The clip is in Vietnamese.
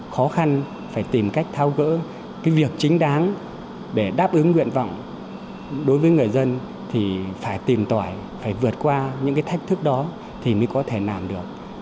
khó khăn phải tìm cách thao gỡ cái việc chính đáng để đáp ứng nguyện vọng đối với người dân thì phải tìm tỏi phải vượt qua những cái thách thức đó thì mới có thể làm được